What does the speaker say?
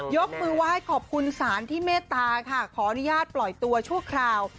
ยกมือไหว้ขอบคุณสารที่เมตตาค่ะขออนุญาตปล่อยตัวชั่วคราว